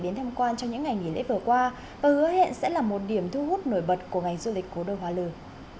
đến tham quan trong những ngày nghỉ lễ vừa qua và hứa hẹn sẽ là một điểm thu hút nổi bật của ngày du lịch của đôi hóa lời